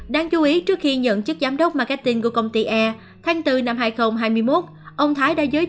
đáng chú ý trước khi nhận chức giám đốc marketing của công ty e tháng bốn năm hai nghìn hai mươi một